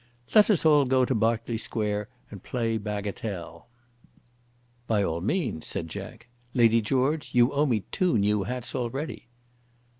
"Let us all go to Berkeley Square and play bagatelle." "By all means," said Jack. "Lady George, you owe me two new hats already."